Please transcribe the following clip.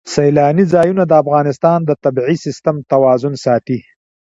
سیلانی ځایونه د افغانستان د طبعي سیسټم توازن ساتي.